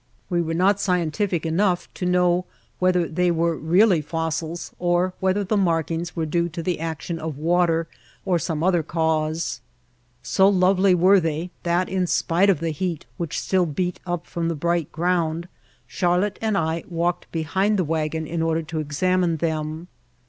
We were not scientific enough to know whether they were really fossils or whether the mark White Heart of Mojave ings were due to the action of water or some other cause. So lovely were they that in spite of the heat which still beat up from the bright ground Charlotte and I walked behind the wagon in order to examine them.